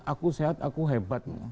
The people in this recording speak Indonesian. aku sehat aku hebat